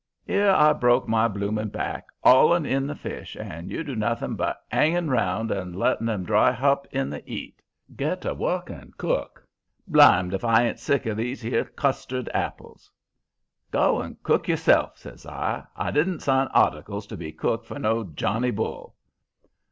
''Ere I broke my bloomin' back 'auling in the fish, and you doing nothing but 'anging around and letting 'em dry hup in the 'eat. Get to work and cook. Blimed if I ain't sick of these 'ere custard apples!' "'Go and cook yourself,' says I. 'I didn't sign articles to be cook for no Johnny Bull!'